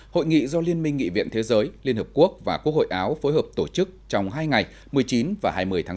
hội nghị do liên minh nghị viện thế giới liên hợp quốc và quốc hội áo phối hợp tổ chức trong hai ngày một mươi chín và hai mươi tháng bốn